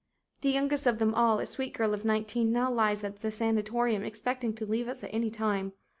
The youngest of them all, a sweet girl of nineteen, now lies at sanatorium expecting to leave us at any time.